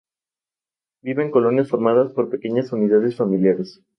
Muchos artistas y escritores se ocuparon de esta dualidad entre Mozart y Salieri.